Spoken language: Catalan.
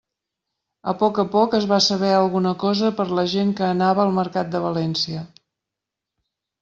A poc a poc es va saber alguna cosa per la gent que anava al mercat de València.